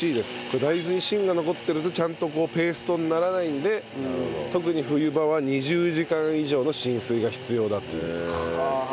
大豆に芯が残ってるとちゃんとペーストにならないので特に冬場は２０時間以上の浸水が必要だという。はあ。